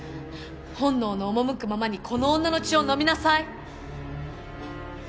本能の赴くままにこの女の血を飲みなさい！